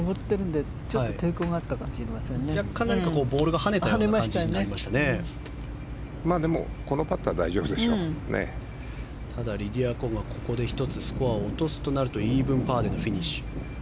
でもこのパットはリディア・コがここで１つスコアを落とすとなるとイーブンパーでのフィニッシュ。